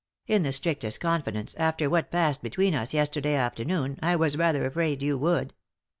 In the strictest confidence, after what passed between us yesterday afternoon, I was rather afraid you would.